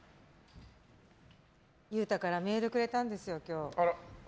裕太からメールくれたんですよ今日。